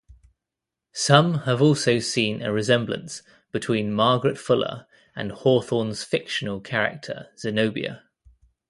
Some have also seen a resemblance between Margaret Fuller and Hawthorne's fictional character Zenobia.